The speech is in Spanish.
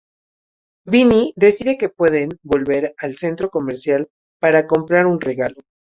Vinny decide que pueden volver al centro comercial para comprar un regalo.